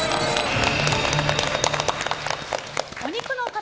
お肉の塊